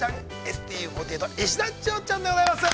ＳＴＵ４８の石田千穂ちゃんでございます。